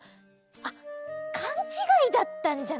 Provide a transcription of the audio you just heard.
あっかんちがいだったんじゃ。